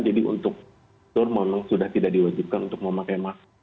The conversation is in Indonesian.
jadi untuk tour memang sudah tidak diwajibkan untuk memakai masker